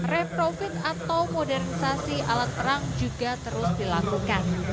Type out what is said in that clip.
reprofit atau modernisasi alat perang juga terus dilakukan